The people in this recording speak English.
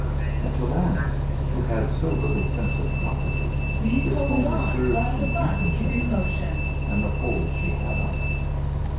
And to Laurence, who had so little sense of property, this only served to deepen tenderness, and the hold she had on him.